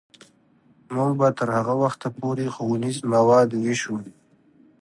موږ به تر هغه وخته پورې ښوونیز مواد ویشو.